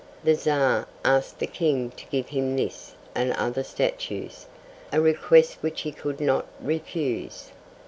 The Czar asked the King to give him this and other statues, a request which he could not refuse.